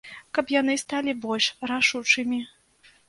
Каб яны сталі больш рашучымі.